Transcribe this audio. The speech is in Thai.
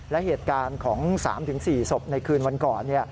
และเหตุการณ์ของ๓๔ศพในคืนวันก่อน